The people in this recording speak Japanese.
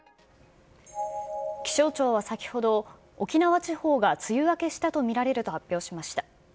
気象庁は先ほど、沖縄地方が梅雨明けしたと見られると発表しました。